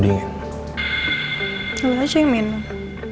jangan saja yang minum